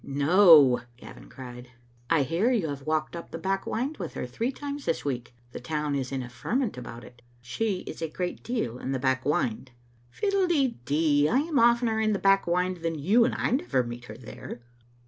"No, "Gavin cried. " I hear you have walked up the back wynd with her three times this week. The town is in a ferment about it." "She is a great deal in the back wynd." " Fiddle de dee! I am oftener in the back wynd than you, and I never meet her there."